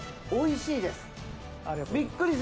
おいしいです。